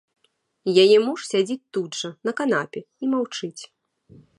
Яе муж сядзіць тут жа на канапе і маўчыць.